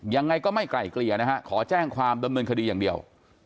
ยังไงก็ไม่ไกลเกลี่ยนะฮะขอแจ้งความดำเนินคดีอย่างเดียว